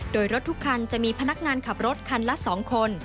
โดยรถทุกคันจะมีพนักงานขับรถคันละ๒คน